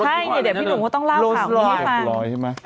ใช่พี่หนุ่มก็ต้องเล่าข่าวนี้ให้ฟัง